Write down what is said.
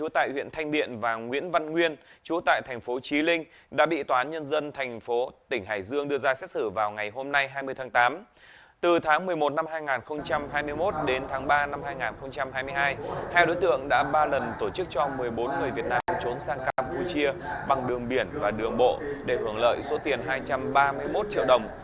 từ tháng một mươi một năm hai nghìn hai mươi một đến tháng ba năm hai nghìn hai mươi hai hai đối tượng đã ba lần tổ chức cho một mươi bốn người việt nam trốn sang campuchia bằng đường biển và đường bộ để hưởng lợi số tiền hai trăm ba mươi một triệu đồng